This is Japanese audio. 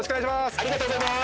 ありがとうございます！